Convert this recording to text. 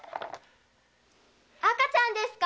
赤ちゃんですか？